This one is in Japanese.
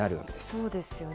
そうですよね。